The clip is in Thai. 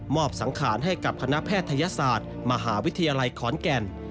สังขารให้กับคณะแพทยศาสตร์มหาวิทยาลัยขอนแก่น